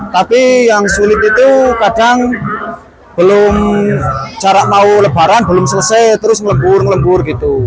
tapi yang sulit itu kadang belum cara mau lebaran belum selesai terus ngelebur ngelebur